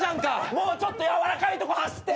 もうちょっとやわらかいとこ走って！